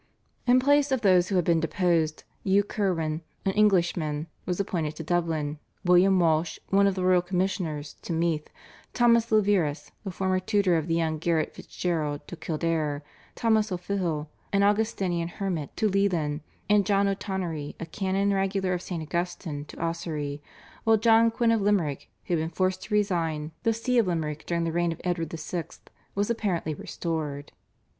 In place of those who had been deposed, Hugh Curwen, an Englishman, was appointed to Dublin, William Walsh, one of the royal commissioners, to Meath, Thomas Leverous, the former tutor of the young Garrett Fitzgerald, to Kildare, Thomas O'Fihil, an Augustinian Hermit, to Leighlin, and John O'Tonory, a Canon Regular of St. Augustine, to Ossory, while John Quinn of Limerick, who had been forced to resign the See of Limerick during the reign of Edward VI., was apparently restored.